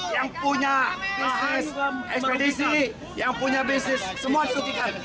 yang punya bisnis ekspedisi yang punya bisnis semua dirugikan